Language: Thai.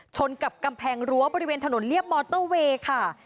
ชนกับกำแพงรั้วบริเวณถนนเรียบมอเตอร์เวย์ค่ะ